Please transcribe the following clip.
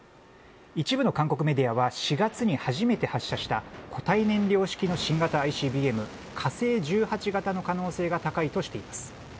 一部の韓国メディアは４月に初めて発射した固体燃料式の新型ＩＣＢＭ「火星１８型」の可能性が高いとしています。